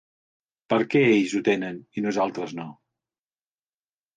Per què ells ho tenen i nosaltres no?